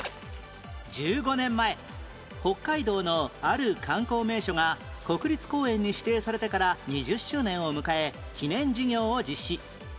１５年前北海道のある観光名所が国立公園に指定されてから２０周年を迎え記念事業を実施